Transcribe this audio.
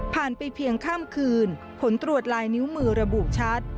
ไปเพียงข้ามคืนผลตรวจลายนิ้วมือระบุชัด